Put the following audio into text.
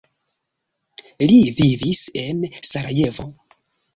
Li vivis en Sarajevo.